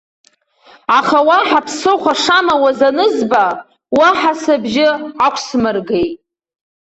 Аха уаҳа ԥсыхәа шамауаз анызба, уаҳа сыбжьы ақәсмыргеит.